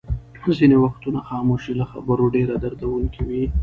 ځینې وختونه خاموشي له خبرو ډېره دردوونکې وي.